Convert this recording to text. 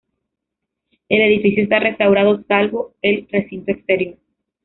El edificio está restaurado —salvo el recinto exterior—.